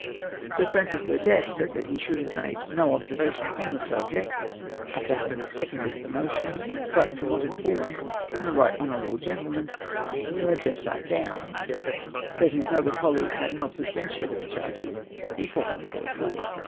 " Sir Francis Burdett said he should have made no ob servation on the subject, after having seconded the motion, but from what had fallen from the right hon. gentleman who had just sat down, that his noble colleague had not substan tiated the charges he formerly brought forward.